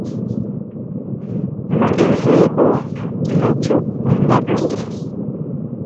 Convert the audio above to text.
مڑہ نہ ژوی با نو دی چُک نہ پعتہ